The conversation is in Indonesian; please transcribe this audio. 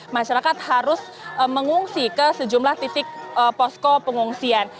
masyarakat harus mengungsi ke sejumlah titik posko pengungsian